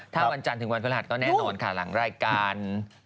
ถ้าวันจันทร์ถึงวันพฤหัสก็แน่นอนค่ะหลังรายการ